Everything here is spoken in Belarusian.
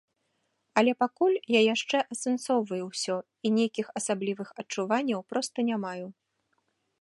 Але пакуль я яшчэ асэнсоўваю ўсё і нейкіх асаблівых адчуванняў проста не маю.